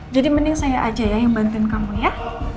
jadi mending saya aja ya yang bantuin kamu ya